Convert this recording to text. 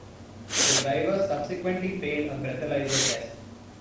The driver subsequently failed a breathalyser test.